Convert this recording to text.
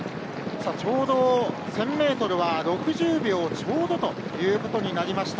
ちょうど１０００ｍは６０秒ちょうどということになりました。